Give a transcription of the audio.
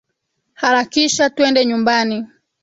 Harakisha twende nyumbani